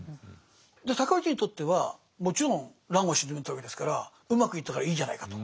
尊氏にとってはもちろん乱を鎮めたわけですからうまくいったからいいじゃないかと。